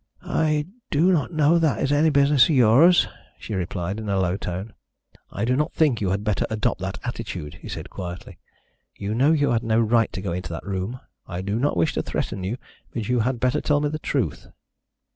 "I do not know that it is any business of yours," she replied, in a low tone. "I do not think you had better adopt that attitude," he said quietly. "You know you had no right to go into that room. I do not wish to threaten you, but you had better tell me the truth."